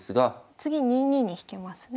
次２二に引けますね。